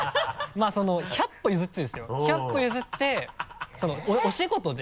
１００歩譲ってですよ１００歩譲ってお仕事で。